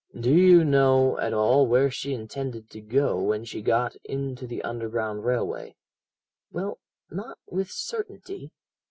"'Do you know at all where she intended to go when she got into the Underground Railway?' "'Well, not with certainty.